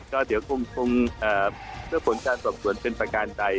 ก็เดี๋ยวคงเพื่อผลการสอบส่วนเป็นประการใด